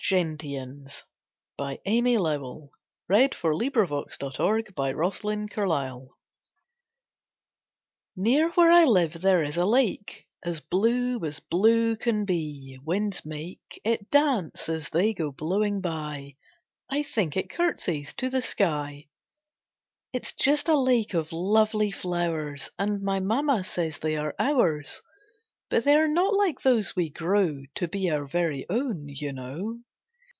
Sea Shell, Sea Shell, Sing of the things you know so well. Fringed Gentians Near where I live there is a lake As blue as blue can be, winds make It dance as they go blowing by. I think it curtseys to the sky. It's just a lake of lovely flowers And my Mamma says they are ours; But they are not like those we grow To be our very own, you know.